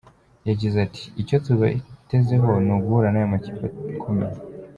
Yagize ati“ Icyo tubatezeho ni uguhura n’aya makipe akomeye.